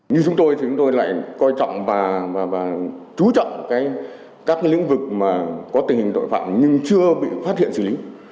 như chúng tôi thì chúng tôi lại coi trọng và chú trọng các lĩnh vực có tình hình tội phạm nhưng chưa bị phát hiện xử lý